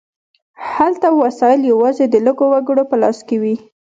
هلته وسایل یوازې د لږو وګړو په لاس کې وي.